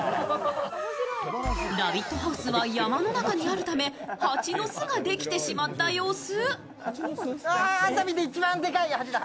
「ラヴィット！ハウス」は山の中にあるため蜂の巣ができてしまった様子。